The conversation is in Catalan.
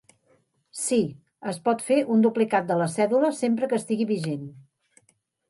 Sí, es pot fer un duplicat de la cèdula sempre que estigui vigent.